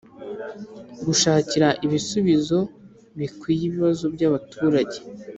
gushakira ibisubizo bikwiye ibibazo byabaturage